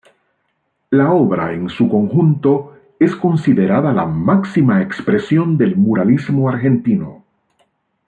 La obra en su conjunto es considerada la máxima expresión del muralismo argentino.